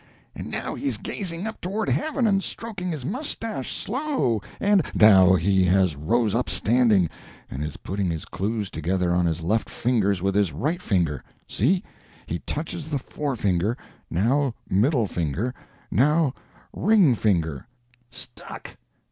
And now he's gazing up toward heaven and stroking his mustache slow, and " "Now he has rose up standing, and is putting his clues together on his left fingers with his right finger. See? he touches the forefinger now middle finger now ring finger " "Stuck!"